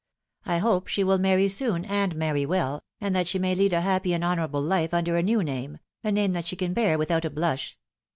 I hope she will marry soon, and marry well, and that she may lead a happy and honourable life under a new name a name that she can bear withou} * blush.